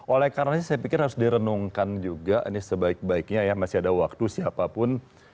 oleh karena ini saya pikir harus direnungkan juga ini sebaik baiknya ya masih ada waktu siapapun